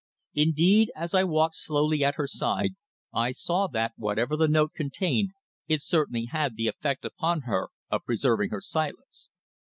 Indeed, as I walked slowly at her side, I saw that, whatever the note contained, it certainly had the effect upon her of preserving her silence.